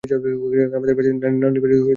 আমাদের বাচ্চাদের নানির বাড়িও ভোপালের কাছাকাছি।